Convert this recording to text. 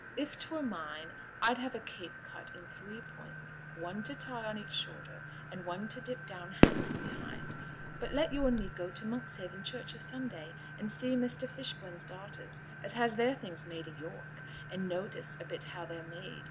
If 't were mine, I'd have a cape cut i' three points, one to tie on each shoulder, and one to dip down handsome behind. But let yo' an' me go to Monkshaven church o' Sunday, and see Measter Fishburn's daughters, as has their things made i' York, and notice a bit how they're made.